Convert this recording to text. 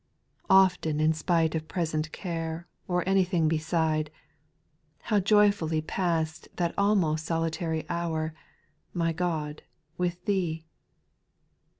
4. Often in spite of present care, Or anything beside, how joyfully Passed that almost solitary hour, My God, with Thee 1 5.